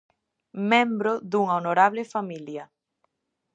Membro dunha honorable familia.